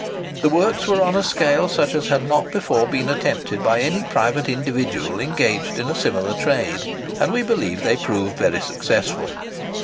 The works were on a scale such as had not before been attempted by any private individual engaged in a similar trade; and we believe they proved very successful.